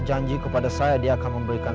jangan jauh kira di manavernano